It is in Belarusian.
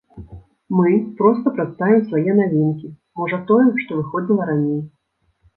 Мы проста прадставім свае навінкі, можа, тое, што выходзіла раней.